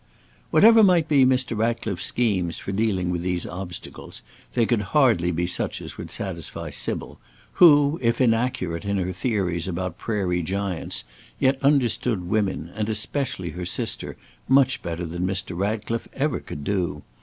Whatever might be Mr. Ratcliffe's schemes for dealing with these obstacles they could hardly be such as would satisfy Sybil, who, if inaccurate in her theories about Prairie Giants, yet understood women, and especially her sister, much better than Mr. Ratcliffe ever could do.